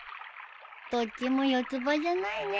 どっちも四つ葉じゃないね。